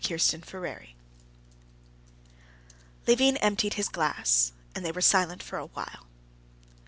Chapter 11 Levin emptied his glass, and they were silent for a while.